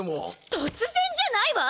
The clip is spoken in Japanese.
突然じゃないわ！